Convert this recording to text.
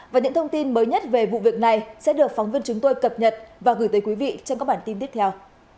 và những thông tin mới nhất về vụ việc này sẽ được phóng viên chúng tôi cập nhật và gửi tới quý vị trong các bản tin tiếp theo